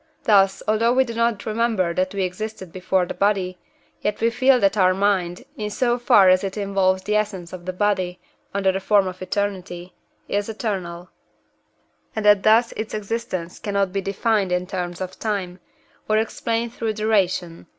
Thus, although we do not remember that we existed before the body, yet we feel that our mind, in so far as it involves the essence of the body, under the form of eternity, is eternal, and that thus its existence cannot be defined in terms of time, or explained through duration.